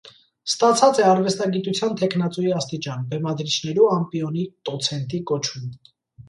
Ստացած է արուեստագիտութեան թեկնածուի աստիճան, բեմադրիչներու ամպիոնի տոցենթի կոչում։